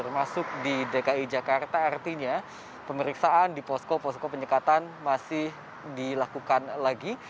masuk di dki jakarta artinya pemeriksaan di posko posko penyekatan masih dilakukan lagi